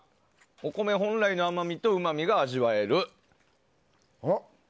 お米本来の甘みとうまみが味わえる。